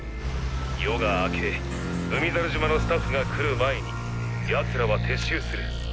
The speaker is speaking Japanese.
夜が明け海猿島のスタッフが来る前に奴らは撤収する。